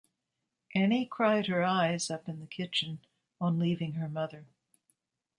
Annie cried her eyes up in the kitchen, on leaving her mother.